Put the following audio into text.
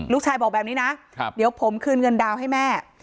ลูกชายบอกแบบนี้นะเดี๋ยวผมคืนเงินดาวน์ให้แม่